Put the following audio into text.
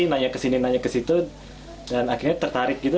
nanya kesini nanya kesitu dan akhirnya tertarik gitu